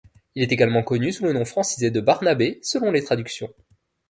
Il est également connu sous le nom francisé de Barnabé, selon les traductions.